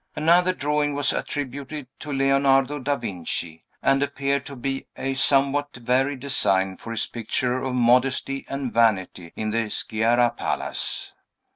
Another drawing was attributed to Leonardo da Vinci, and appeared to be a somewhat varied design for his picture of Modesty and Vanity, in the Sciarra Palace.